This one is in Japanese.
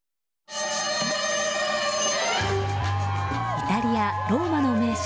イタリア・ローマの名所